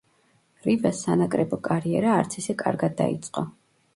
რივას სანაკრებო კარიერა არც ისე კარგად დაიწყო.